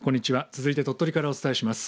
続いて鳥取からお伝えします。